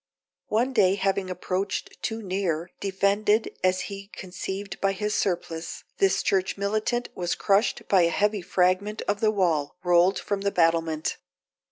One day having approached too near, defended as he conceived by his surplice, this church militant was crushed by a heavy fragment of the wall, rolled from the battlement.